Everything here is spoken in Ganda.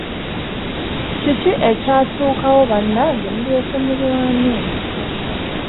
Kiki ekyatuukawo bannange mulyoke mulwane?